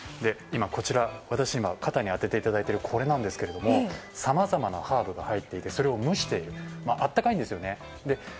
こちら、私が肩に当ててもらっているこれなんですけれどもさまざまなハーブが入っていてそれを蒸して、温かいんですよね。